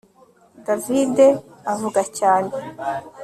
David avuga cyane